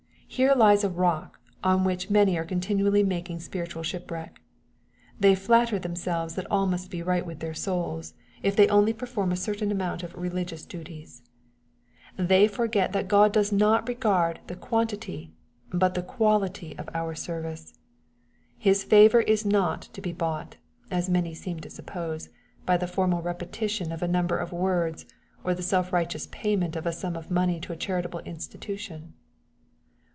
Here lies a rock, on which many are continually making spiritual ship wieck. They flatter themselves that all must be right with their souls, if they only perform a certain amount MATTHEW^ CHAP. TI. 49 of religious duties/' They forget that God does not regard the quantity, but the quality of our seryice His favor is not to be bought, as many seem to suppose, by the formal repetition of a number of words, or the self righteous payment of a sum of money to a charitable institution.